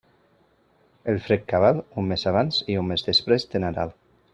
El fred cabal, un mes abans i un mes després de Nadal.